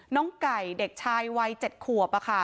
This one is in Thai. ไก่เด็กชายวัย๗ขวบ